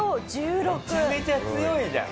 めちゃめちゃ強いじゃん。